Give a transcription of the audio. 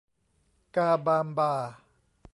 กาบามบา